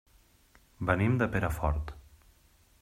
Venim de Perafort.